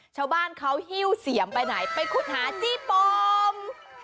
ชาวบ้านเขาฮิ้วเสียมไปไหนไปขุดหาจี้โปม